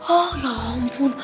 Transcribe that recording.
oh ya ampun